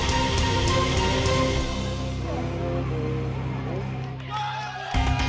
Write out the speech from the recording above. maut ya maut